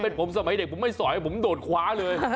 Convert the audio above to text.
เป็นผมสมัยเด็กผมไม่สอยผมโดดคว้าเลย